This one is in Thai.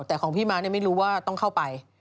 แต่ของพี่มาร์ฟมันยังไม่รู้ว่าต้องเข้าไป